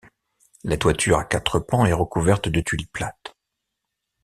La toiture à quatre pans est recouverte de tuiles plates.